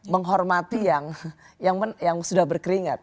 menghormati yang sudah berkeringat